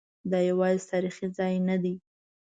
دا یوازې تاریخي ځای نه دی.